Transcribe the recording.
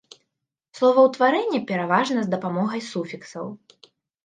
Словаўтварэнне пераважна з дапамогай суфіксаў.